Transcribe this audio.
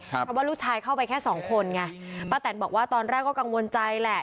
เพราะว่าลูกชายเข้าไปแค่สองคนไงป้าแตนบอกว่าตอนแรกก็กังวลใจแหละ